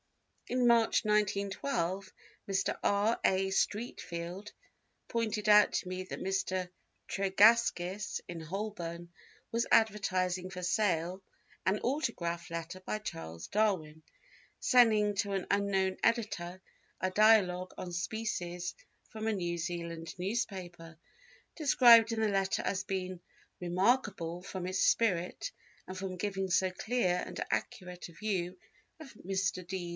In March, 1912, Mr. R. A. Streatfeild pointed out to me that Mr. Tregaskis, in Holborn, was advertising for sale an autograph letter by Charles Darwin sending to an unknown editor a Dialogue on Species from a New Zealand newspaper, described in the letter as being "remarkable from its spirit and from giving so clear and accurate a view of Mr. D.